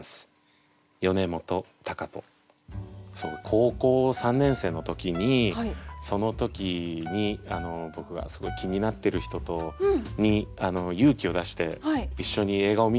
高校３年生の時にその時に僕がすごい気になってる人に勇気を出して一緒に映画を見に行こうって言って